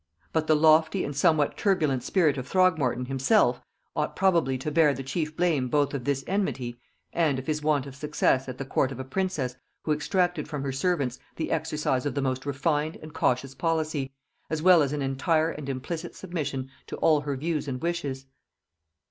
But the lofty and somewhat turbulent spirit of Throgmorton himself, ought probably to bear the chief blame both of this enmity, and of his want of success at the court of a princess who exacted from her servants the exercise of the most refined and cautious policy, as well as an entire and implicit submission to all her views and wishes.